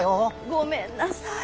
ごめんなさい。